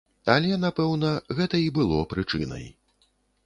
Але, напэўна, гэта і было прычынай.